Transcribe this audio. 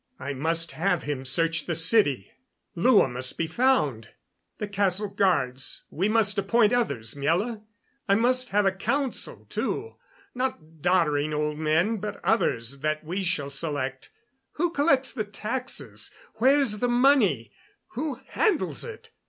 "I must have him search the city. Lua must be found. The castle guards we must appoint others, Miela. I must have a council, too not doddering old men, but others that we shall select. Who collects the taxes? Where is the money? Who handles it?"